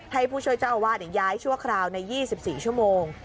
ให้ผู้ช่วยเจ้าอาวาสย้ายชั่วคราวใน๒๔ชั่วโมง